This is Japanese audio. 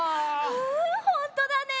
うんほんとだね！